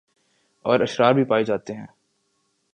اور اشرار بھی پائے جاتے ہیں